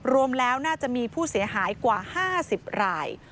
รวมแล้วน่าจะมีผู้เสียหายกว่า๕๐ราย